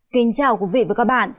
kính chào quý vị và các bạn